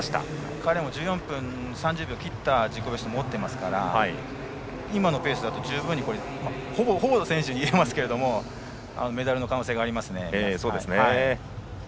彼も１４分３０秒を切った自己ベストを持っていますから今のペースだとほぼの選手に言えますけどメダルの可能性がありますね。